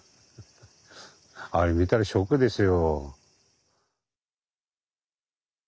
あれ見たらショックですよ。